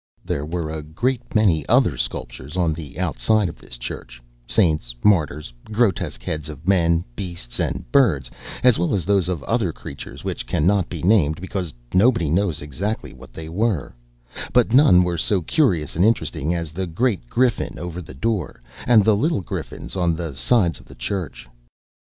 There were a great many other sculptures on the outside of this church,—saints, martyrs, grotesque heads of men, beasts, and birds, as well as those of other creatures which cannot be named, because nobody knows exactly what they were; but none were so curious and interesting as the great griffin over the door, and the little griffins on the sides of the church.